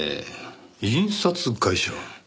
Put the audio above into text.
印刷会社？